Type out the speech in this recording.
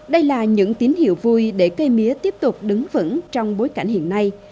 đây là những tín hiệu vui để cây mía tiếp tục đứng vững trong bối cảnh hiện nay